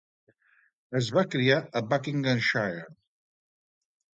Es va criar a Buckinghamshire.